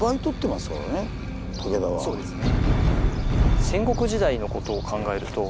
そうですね。